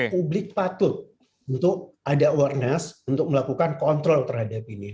publik patut untuk ada awareness untuk melakukan kontrol terhadap ini